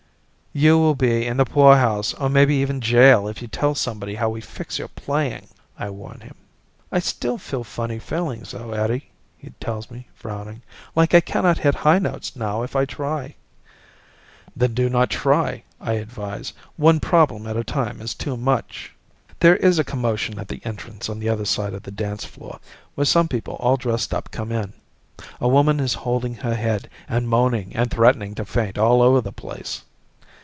"You will be in the poorhouse or maybe even in jail if you tell somebody how we fix your playing," I warn him. "I still feel funny feelings though, Eddie," he tells me, frowning, "like I cannot hit high notes now if I try." "Then do not try," I advise. "One problem at a time is too much." There is a commotion at the entrance on the other side of the dance floor, where some people all dressed up come in. A woman is holding her head and moaning and threatening to faint all over the place.